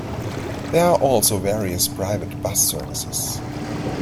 There are also various private bus services.